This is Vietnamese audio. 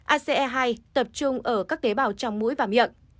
ase hai tập trung ở các tế bào trong mũi và miệng